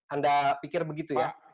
anda pikir begitu ya